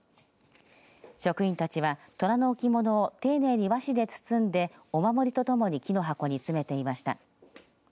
職員たちは、とらの置物を丁寧に和紙で包んでお守りと共に木の箱に詰めていました。